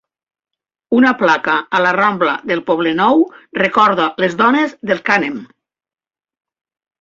Una placa a la rambla del Poblenou recorda les dones del Cànem.